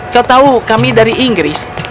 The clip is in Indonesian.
kau tahu kami dari inggris